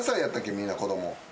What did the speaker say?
みんな子供。